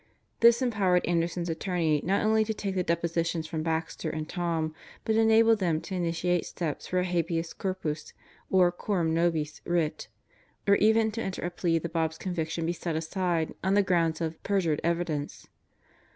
This empowered Anderson's attorneys not only to take the depositions from Baxter and Tom, but enabled them to initiate steps for a habeas corpus or cor am nobis writ, or even to enter a plea that Bob's conviction be set aside on the grounds of "perjured evidence."